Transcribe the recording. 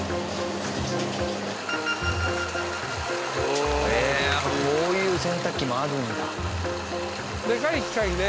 へえこういう洗濯機もあるんだ。